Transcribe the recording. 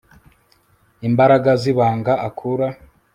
imbaraga zibanga akura